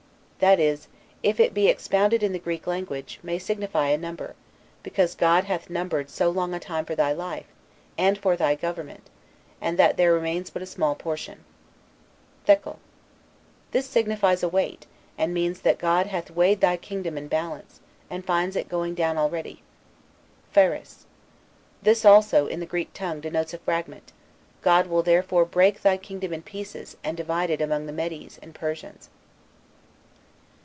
This, if it be expounded in the Greek language, may signify a Number, because God hath numbered so long a time for thy life, and for thy government, and that there remains but a small portion. THEKEL This signifies a weight, and means that God hath weighed thy kingdom in a balance, and finds it going down already. PHARES. This also, in the Greek tongue, denotes a fragment. God will therefore break thy kingdom in pieces, and divide it among the Medes and Persians."